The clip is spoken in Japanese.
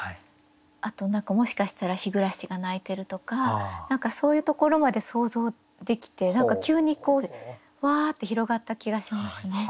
あと何かもしかしたらひぐらしが鳴いてるとか何かそういうところまで想像できて何か急にわって広がった気がしますね。